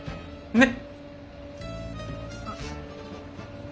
ねっ！